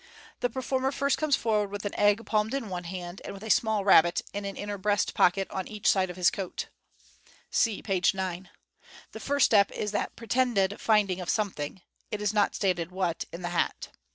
The performer first comes forward with an egg palmed in one hand, and with a small rabbit in an inner breast pocket on each side of his coat (see page 9). The first step is the pretended finding of something (it is not stated what) in the hat.